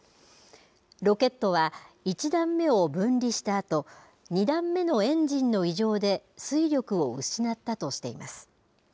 ロケットは１段目を分離したあと、２段目のエンジンの異常で推力を失ったとしています。